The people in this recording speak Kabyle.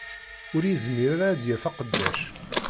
Ur yezmir ara ad d-yaff aqeddac